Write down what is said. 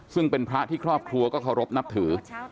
ซึ่งเป็นพระที่ครอบครัวก็เคารพนับถือ